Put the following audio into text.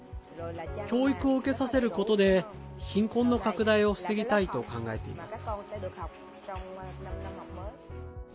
教育を受けさせることで貧困の拡大を防ぎたいと考えています。